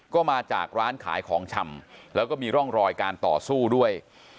ก็มาจากร้านขายของชำแล้วก็มีร่องรอยการต่อสู้ด้วย